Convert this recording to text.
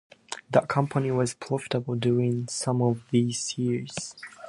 The company was profitable during some of these years.